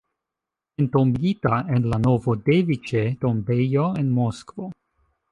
Entombigita en la Novodeviĉe-tombejo en Moskvo.